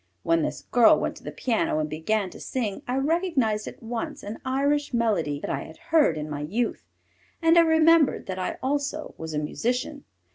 When this girl went to the piano and began to sing I recognized at once an Irish melody that I had heard in my youth, and I remembered that I also was a musician.